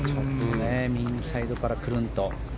右サイドから、くるんと。